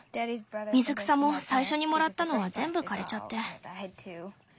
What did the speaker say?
水草も最初にもらったのは全部枯れちゃって。